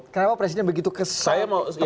kenapa presiden begitu kesal